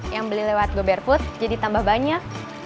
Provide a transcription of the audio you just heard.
yang beli lewat gobear food jadi tambah banyak